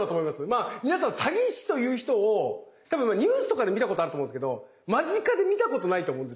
まあ皆さん詐欺師という人をたぶんニュースとかで見たことあると思うんですけど間近で見たことないと思うんですけど。